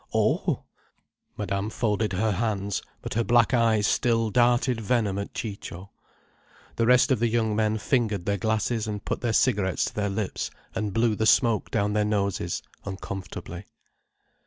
Oh!" Madame folded her hands, but her black eyes still darted venom at Ciccio. The rest of the young men fingered their glasses and put their cigarettes to their lips and blew the smoke down their noses, uncomfortably.